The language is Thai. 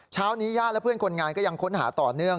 เช้านี้ญาติและเพื่อนคนงานก็ยังค้นหาต่อเนื่อง